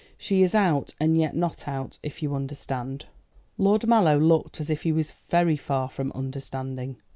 She is out and yet not out, if you understand." Lord Mallow looked as if he was very far from understanding.